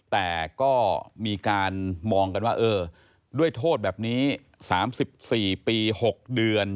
แต่ก็มีการมองกันว่าเออด้วยโทษแบบนี้๓๔ปี๖เดือน